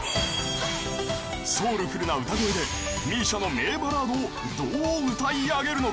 ［ソウルフルな歌声でＭＩＳＩＡの名バラードをどう歌い上げるのか］